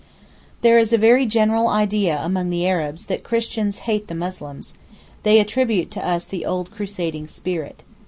There is a very general idea among the Arabs that Christians hate the Muslims; they attribute to us the old Crusading spirit.